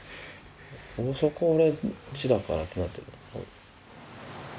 「そこ俺ん家だから」ってなってる。